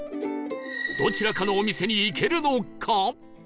どちらかのお店に行けるのか？